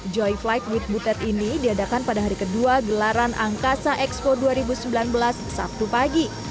joy flight with butet ini diadakan pada hari kedua gelaran angkasa expo dua ribu sembilan belas sabtu pagi